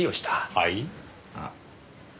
はい？